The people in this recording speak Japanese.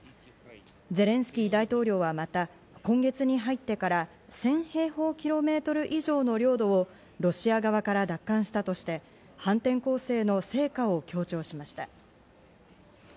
ゼレンスキー大統領はまた、今月に入ってから１０００平方キロメートル以上の領土をロシア側から奪還したとして反転攻勢の成果を強調しました。